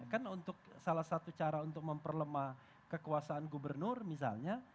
kan untuk salah satu cara untuk memperlemah kekuasaan gubernur misalnya